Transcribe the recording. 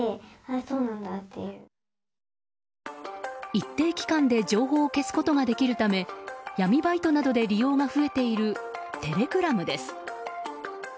一定期間で情報を消すことができるため闇バイトなどで利用が増えているテレグラムです。